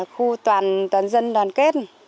khu toàn dân đoàn kết